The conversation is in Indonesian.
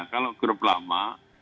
kalau grup lama